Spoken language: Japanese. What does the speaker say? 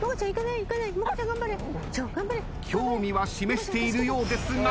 興味は示しているようですが。